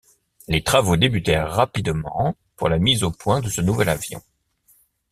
Les travaux débutèrent rapidement pour la mise au point de ce nouvel avion.